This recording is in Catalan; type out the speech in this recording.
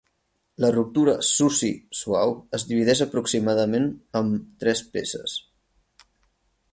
La ruptura SUSY suau es divideix aproximadament em tres peces.